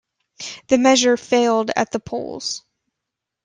The measure failed at the polls.